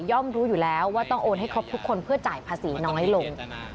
รู้อยู่แล้วว่าต้องโอนให้ครบทุกคนเพื่อจ่ายภาษีน้อยลง